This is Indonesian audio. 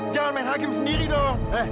jangan main hakim sendiri dong